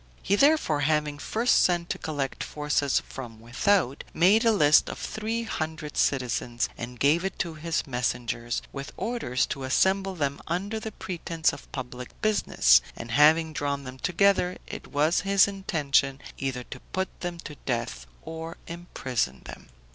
He therefore having first sent to collect forces from without, made a list of three hundred citizens, and gave it to his messengers, with orders to assemble them under the pretense of public business; and having drawn them together, it was his intention either to put them to death or imprison them.